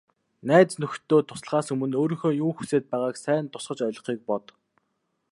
Найз нөхдөдөө туслахаасаа өмнө өөрийнхөө юу хүсээд байгааг сайн тусгаж ойлгохыг бод.